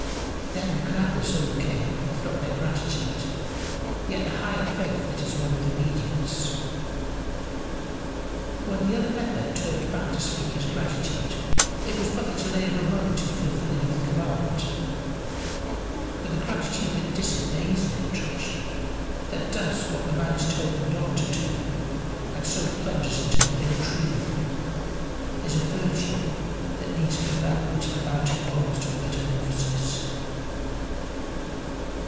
Their gladness overcame, if not their gratitude, yet the higher faith that is one with obedience. When the other leper turned back to speak his gratitude, it was but the delay of a moment in the fulfilling of the command. But the gratitude that disobeys an injunction, that does what the man is told not to do, and so plunges into the irretrievable, is a virtue that needs a development amounting almost to a metamorphosis.